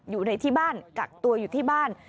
อยู่ในที่บ้านกักตัวอยู่ที่บ้าน